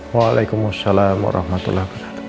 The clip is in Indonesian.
waalaikumsalam warahmatullahi wabarakatuh